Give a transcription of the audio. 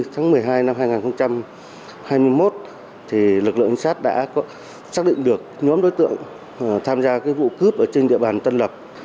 tháng một mươi hai năm hai nghìn hai mươi một lực lượng trinh sát đã xác định được nhóm đối tượng tham gia vụ cướp ở trên địa bàn tân lập